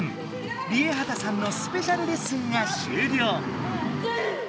ＲＩＥＨＡＴＡさんのスペシャルレッスンが終了。